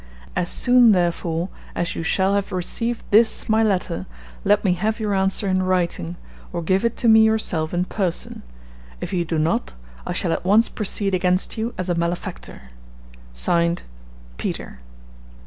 As soon, therefore, as you shall have received this my letter, let me have your answer in writing, or give it to me yourself in person. If you do not, I shall at once proceed against you as a malefactor. (Signed) PETER."